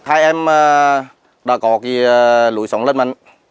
hai em đã có cái lối xóm lân mạnh